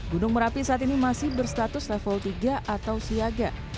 gunung merapi saat ini masih berstatus level tiga atau siaga